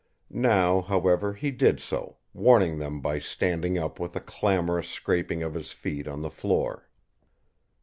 Now, however, he did so, warning them by standing up with a clamorous scraping of his feet on the floor.